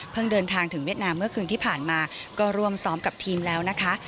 เดินทางถึงเวียดนามเมื่อคืนที่ผ่านมาก็ร่วมซ้อมกับทีมแล้วนะคะ